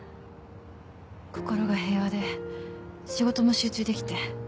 心が平和で仕事も集中できて。